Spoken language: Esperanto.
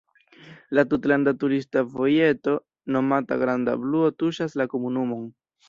La tutlanda turista vojeto nomata granda bluo tuŝas la komunumon.